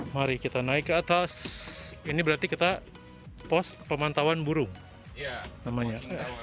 mari kita naik ke atas ini berarti kita pos pemantauan burung namanya